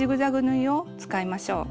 縫いを使いましょう。